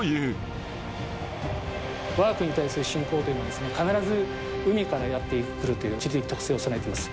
わが国に対する侵攻というのは、必ず海からやって来るという地理特性を備えております。